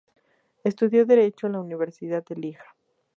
Estudió derecho en la Universidad de Lieja.